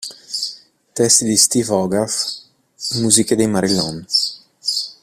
Testi di Steve Hogarth, musiche dei Marillion.